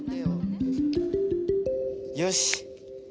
よし。